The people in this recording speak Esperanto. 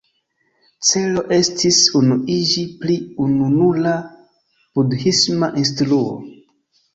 Celo estis unuiĝi pri ununura budhisma instruo.